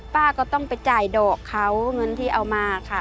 ป้าก็ต้องไปจ่ายดอกเขาเงินที่เอามาค่ะ